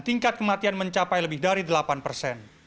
tingkat kematian mencapai lebih dari delapan persen